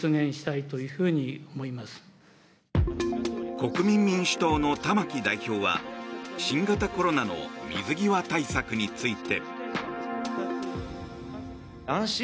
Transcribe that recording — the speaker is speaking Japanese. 国民民主党の玉木代表は新型コロナの水際対策について。